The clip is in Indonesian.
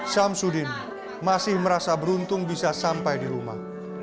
syamsudin masih merasa beruntung bisa sampai di rumah